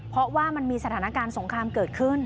เพราะว่ามันมีสถานการณ์สงครามเกิดขึ้น